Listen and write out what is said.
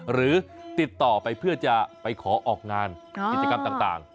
หรือติดต่อไปเพื่อจะไปขอออกงานกิจกรรมต่าง